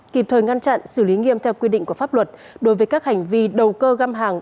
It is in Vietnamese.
kịp thời ngăn chặn xử lý nghiêm theo quy định của pháp luật đối với các hành vi đầu cơ găm hàng